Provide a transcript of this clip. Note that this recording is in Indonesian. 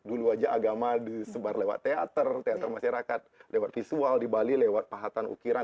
dulu aja agama disebar lewat teater teater masyarakat lewat visual di bali lewat pahatan ukiran